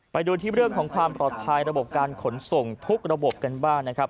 ไปดูที่เรื่องของความปลอดภัยระบบการขนส่งทุกระบบกันบ้างนะครับ